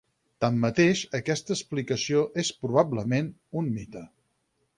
Tanmateix, aquesta explicació és probablement un mite.